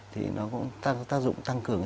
thì nó cũng tác dụng tăng cường